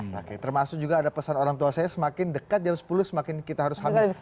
oke termasuk juga ada pesan orang tua saya semakin dekat jam sepuluh semakin kita harus habis